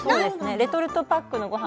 レトルトパックのごはん